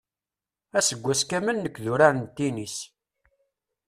Aseggas kamel nekk d urar n tinis.